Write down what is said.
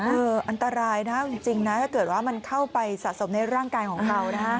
อันตรายนะจริงนะถ้าเกิดว่ามันเข้าไปสะสมในร่างกายของเรานะฮะ